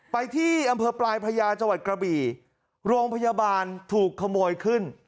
ไปที่อำเภอปลายพญาจังหวัดกระบี่โรงพยาบาลถูกขโมยขึ้น